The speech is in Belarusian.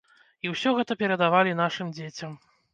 І ўсё гэта перадавалі нашым дзецям.